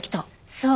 そう。